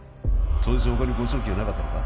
当日他に誤送金はなかったのか？